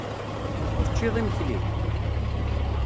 Teččiḍ imekli?